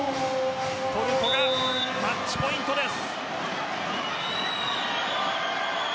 トルコがマッチポイントです。